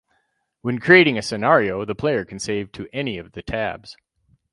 When creating a scenario, the player can save to any of the tabs.